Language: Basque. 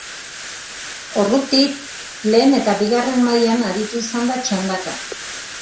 Ordutik lehen eta bigarren mailan aritu izan da txandaka.